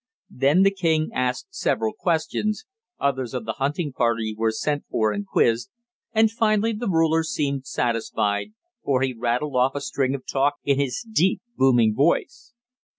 Then the king asked several questions, others of the hunting party were sent for and quizzed, and finally the ruler seemed satisfied, for he rattled off a string of talk in his deep, booming voice.